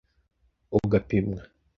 ugapimwa